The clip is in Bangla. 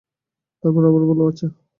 তারপর আবার বলল, ও আচ্ছা।